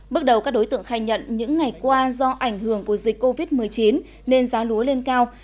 bước đầu các đối tượng khai nhận những ngày qua do ảnh hưởng của dịch covid một mươi chín nên giá lúa lên cao